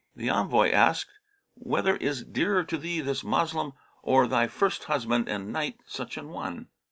The envoy asked, 'Whether is dearer to thee, this Moslem or thy first husband and knight such an one?